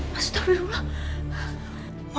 masudah dulu ma